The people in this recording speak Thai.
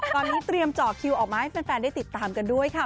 ตอนนี้เตรียมเจาะคิวออกมาให้แฟนได้ติดตามกันด้วยค่ะ